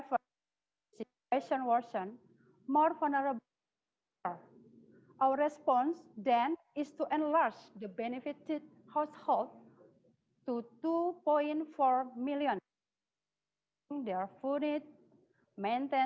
apakah ada yang mau membantu saya dengan slide atau harus saya melakukannya sendiri